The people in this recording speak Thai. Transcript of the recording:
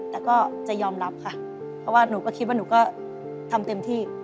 แต่ก็จะยอมรับค่ะเพราะว่าหนูก็คิดว่าหนูก็ทำเต็มที่